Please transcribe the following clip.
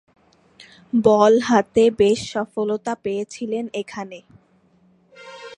বল হাতে বেশ সফলতা পেয়েছিলেন এখানে।